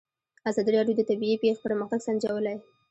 ازادي راډیو د طبیعي پېښې پرمختګ سنجولی.